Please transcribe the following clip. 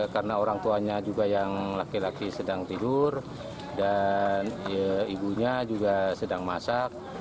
karena orang tuanya juga yang laki laki sedang tidur dan ibunya juga sedang masak